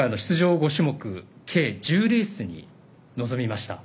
５種目計１０レースに臨みました。